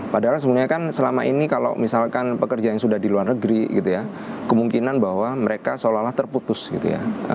padahal sebenarnya kan selama ini kalau misalkan pekerja yang sudah di luar negeri gitu ya kemungkinan bahwa mereka seolah olah terputus gitu ya